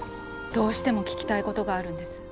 どうしても聞きたいことがあるんです。